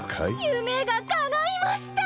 夢が叶いました！